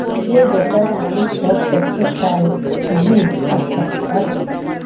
এর ব্যাপারে আমি সব তথ্য চাই জ্বি আচ্ছা স্যার।